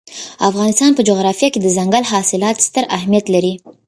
د افغانستان په جغرافیه کې دځنګل حاصلات ستر اهمیت لري.